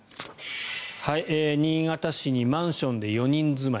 新潟市にマンションで４人住まい。